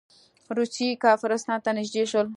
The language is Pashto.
روسیې کافرستان ته نږدې شول.